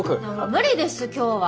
無理です今日は。